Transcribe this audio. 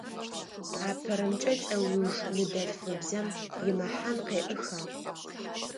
Апэрэмкӏэ, лӏэуж ныдэлъфыбзэм имэхьан къеӏыха?